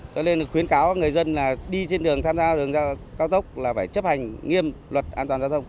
cho nên khuyến cáo các người dân đi trên đường cao tốc là phải chấp hành nghiêm luật an toàn giao thông